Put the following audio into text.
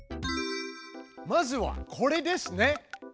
まずはこれですね。